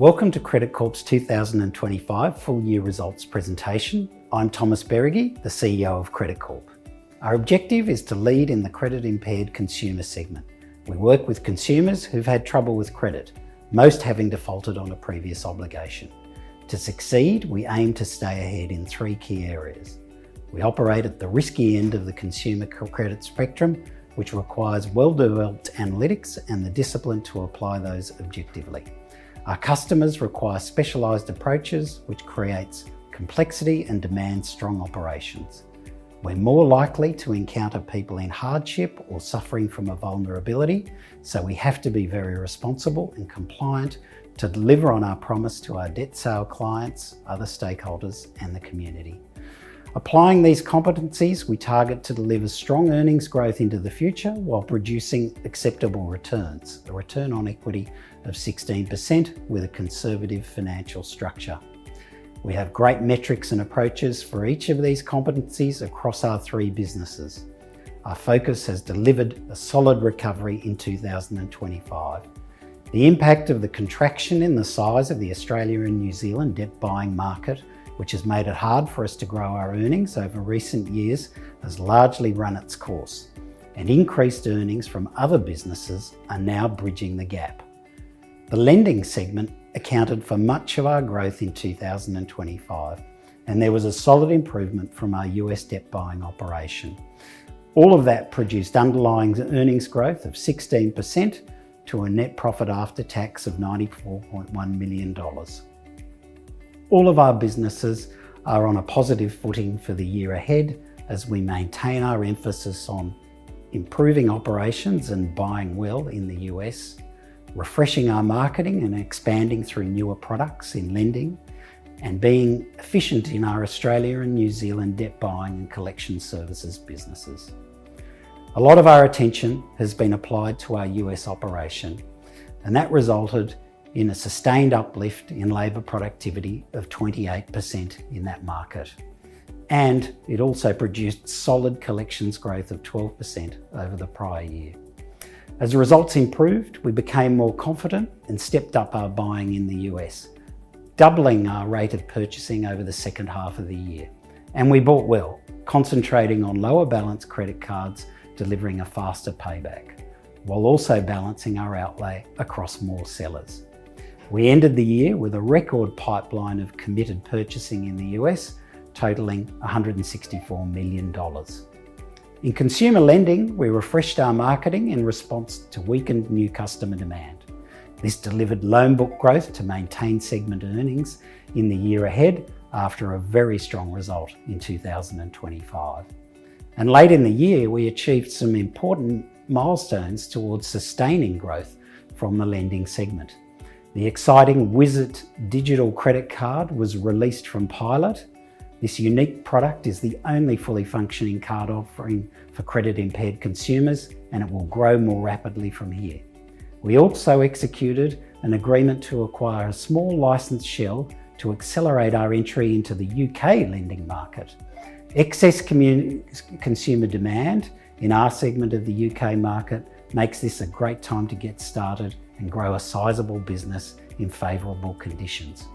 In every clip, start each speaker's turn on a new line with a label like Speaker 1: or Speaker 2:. Speaker 1: Welcome to Credit Corp 2025 Full-Year Results Presentation. I'm Thomas Beregi, the CEO of Credit Corp. Our objective is to lead in the credit-impaired consumer segment. We work with consumers who've had trouble with credit, most having defaulted on a previous obligation. To succeed, we aim to stay ahead in three key areas. We operate at the risky end of the consumer credit spectrum, which requires well-developed analytics and the discipline to apply those objectively. Our customers require specialized approaches, which creates complexity and demands strong operations. We're more likely to encounter people in hardship or suffering from a vulnerability, so we have to be very responsible and compliant to deliver on our promise to our debt sale clients, other stakeholders, and the community. Applying these competencies, we target to deliver strong earnings growth into the future while producing acceptable returns, a return on equity of 16% with a conservative financial structure. We have great metrics and approaches for each of these competencies across our three businesses. Our focus has delivered a solid recovery in 2025. The impact of the contraction in the size of the Australia and New Zealand debt buying market, which has made it hard for us to grow our earnings over recent years, has largely run its course, and increased earnings from other businesses are now bridging the gap. The lending segment accounted for much of our growth in 2025, and there was a solid improvement from our U.S. debt buying operation. All of that produced underlying earnings growth of 16% to a net profit after tax of $94.1 million. All of our businesses are on a positive footing for the year ahead as we maintain our emphasis on improving operations and buying well in the U.S., refreshing our marketing and expanding through newer products in lending, and being efficient in our Australia and New Zealand debt buying and collection services businesses. A lot of our attention has been applied to our U.S. operation, and that resulted in a sustained uplift in labor productivity of 28% in that market, and it also produced solid collections growth of 12% over the prior year. As results improved, we became more confident and stepped up our buying in the U.S., doubling our rate of purchasing over the second half of the year, and we bought well, concentrating on lower balance credit cards delivering a faster payback while also balancing our outlay across more sellers. We ended the year with a record pipeline of committed purchasing in the U.S., totaling $164 million. In consumer lending, we refreshed our marketing in response to weakened new customer demand. This delivered loan book growth to maintain segment earnings in the year ahead after a very strong result in 2025. Late in the year, we achieved some important milestones towards sustaining growth from the lending segment. The exciting Wizard digital credit card was released from Pilot. This unique product is the only fully functioning card offering for credit-impaired consumers, and it will grow more rapidly from here. We also executed an agreement to acquire a small license shell to accelerate our entry into the U.K. lending market. Excess consumer demand in our segment of the U.K. market makes this a great time to get started and grow a sizable business in favorable conditions.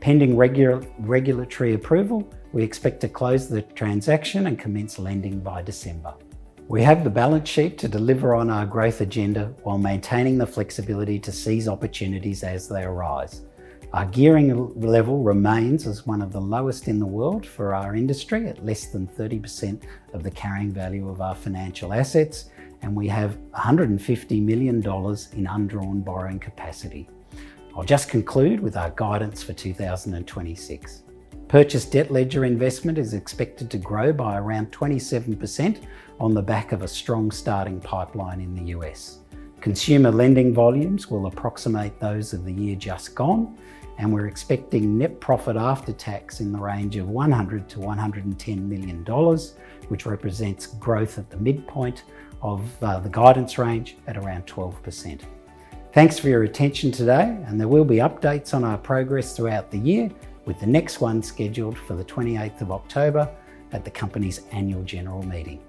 Speaker 1: Pending regulatory approval, we expect to close the transaction and commence lending by December. We have the balance sheet to deliver on our growth agenda while maintaining the flexibility to seize opportunities as they arise. Our gearing level remains as one of the lowest in the world for our industry at less than 30% of the carrying value of our financial assets, and we have $150 million in undrawn borrowing capacity. I'll just conclude with our guidance for 2026. Purchased debt ledger investment is expected to grow by around 27% on the back of a strong starting pipeline in the U.S. Consumer lending volumes will approximate those of the year just gone, and we're expecting net profit after tax in the range of $100 million-$110 million, which represents growth at the midpoint of the guidance range at around 12%. Thanks for your attention today, and there will be updates on our progress throughout the year, with the next one scheduled for the 28th of October at the company's annual general meeting.